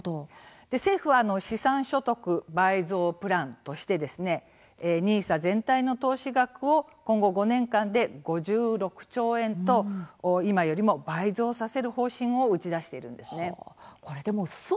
政府は「資産所得倍増プラン」としてですねＮＩＳＡ全体の投資額を今後５年間で５６兆円と今よりも倍増させる方針を打ち出しているんですね。